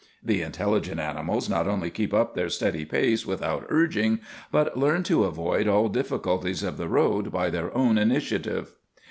The intelligent animals not only keep up their steady pace without urging, but learn to avoid all difficulties of the road by their own initiative.